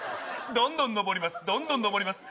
どんどんのぼります